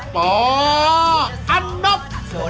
ปออันนบ